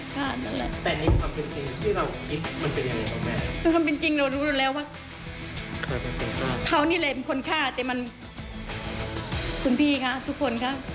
ความเป็นจริงเรารู้แล้วว่าเขานี่แหละเป็นคนฆ่าแต่มันคุณพี่ค่ะทุกคนค่ะ